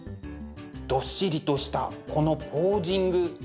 どっしりとしたこのポージング。